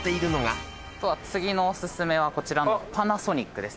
次のおすすめはこちらのパナソニックです。